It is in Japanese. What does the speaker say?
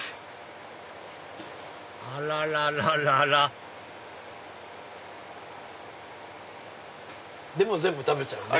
あらららららでも全部食べちゃうね。